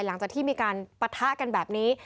หลังจากที่มีการปะทะกันแบบนี้